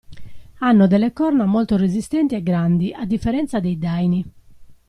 Hanno delle corna molto resistenti e grandi a differenza dei daini.